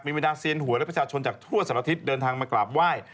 บรรดาเซียนหัวและประชาชนจากทั่วสารทิศเดินทางมากราบไหว้